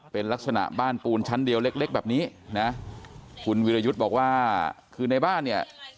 เป็นลักษณะบ้านปูนชั้นเดียวเล็กเล็กแบบนี้นะคุณวิรยุทธ์บอกว่าคือในบ้านเนี่ย